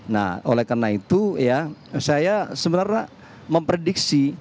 nah oleh karena itu ya saya sebenarnya memprediksi